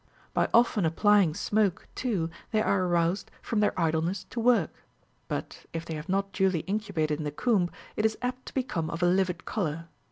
By often applying smoke, too, they are aroused from their idleness to work ; but if they have not duly incubated in the comb, it is apt to become of a livid colour.